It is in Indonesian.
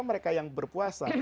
mereka yang berpuasa